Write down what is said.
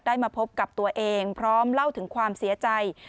มาพบกับตัวเองพร้อมเล่าถึงความเสียใจ